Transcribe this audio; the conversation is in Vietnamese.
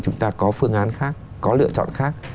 chúng ta có phương án khác có lựa chọn khác